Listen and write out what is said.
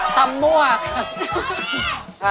ตำมวก